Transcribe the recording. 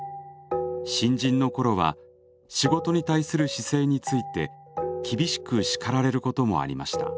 新人のころは仕事に対する姿勢について厳しく叱られることもありました。